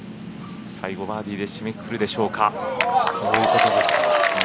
最後、バーディーで締めくくるでしょうか。